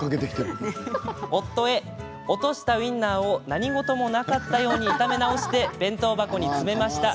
「夫へ落としたウインナーを何事もなかったように炒め直して弁当箱に詰めました。